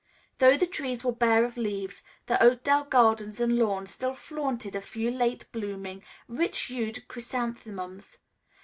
Though the trees were bare of leaves, the Oakdale gardens and lawns still flaunted a few late blooming, rich hued chrysanthemums.